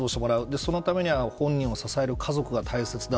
そのためには、本人を支える家族が大切だ。